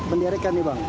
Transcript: menyanderekan nih bang